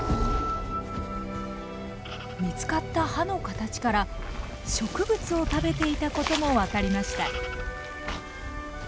見つかった歯の形から植物を食べていたことも分かりました。